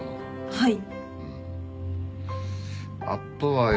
はい。